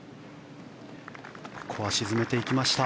ここは沈めていきました。